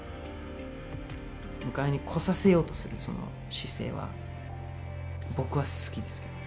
迎えに来させようとするその姿勢は僕は好きですけどね。